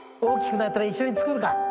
大きくなったら一緒に作るか。